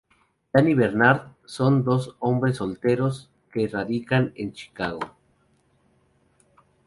Danny y Bernard son dos hombres solteros que radican en Chicago.